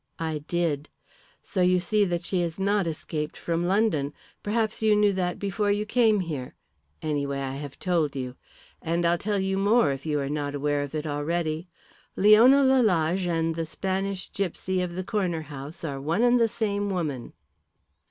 "I did. So you see that she has not escaped from London. Perhaps you knew that before you came here. Anyway I have told you. And I'll tell you more if you are not aware of it already. Leona Lalage and the Spanish gipsy of the Corner House are one and the same woman."